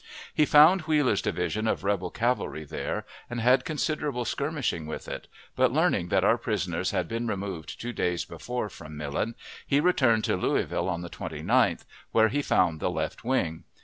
He found Wheeler's division of rebel cavalry there, and had considerable skirmishing with it; but, learning that our prisoners had been removed two days before from Millen, he returned to Louisville on the 29th, where he found the left wing.